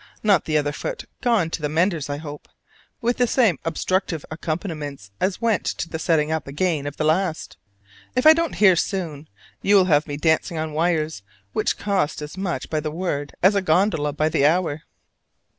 Not the other foot gone to the mender's, I hope, with the same obstructive accompaniments as went to the setting up again of the last? If I don't hear soon, you will have me dancing on wires, which cost as much by the word as a gondola by the hour.